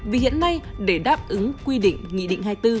vì hiện nay để đáp ứng quy định nghị định hai mươi bốn